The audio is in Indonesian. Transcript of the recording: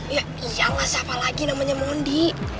ya iya lah siapa lagi namanya mondi